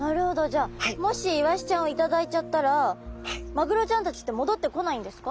じゃあもしイワシちゃんを頂いちゃったらマグロちゃんたちって戻ってこないんですか？